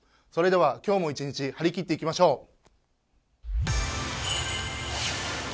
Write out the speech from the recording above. それでは、今日も一日張り切っていきましょう。